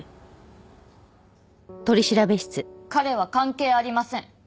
彼は関係ありません。